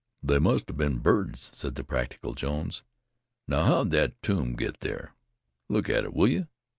"They must have been birds," said the practical Jones. "Now, how'd that tomb ever get there? Look at it, will you?"